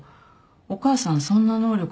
お母さんそんな能力ないもん。